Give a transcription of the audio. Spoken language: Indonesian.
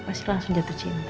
pasti langsung jatuh cinta